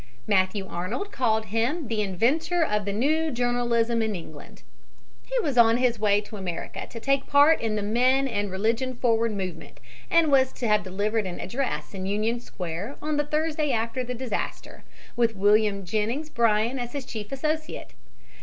Matthew Arnold called him "the inventor of the new journalism in England." He was on his way to America to take part in the Men and Religion Forward Movement and was to have delivered an address in Union Square on the Thursday after the disaster, with William Jennings Bryan as his chief associate.